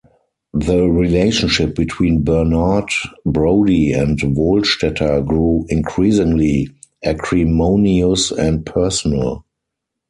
The relationship between Bernard Brodie and Wohlstetter grew increasingly acrimonious and personal.